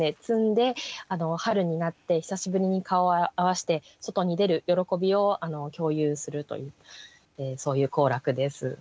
摘んで春になって久しぶりに顔を合わせて外に出る喜びを共有するというそういう行楽です。